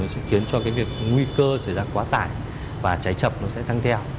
sẽ khiến cho việc nguy cơ xảy ra quá tải và cháy chậm sẽ tăng theo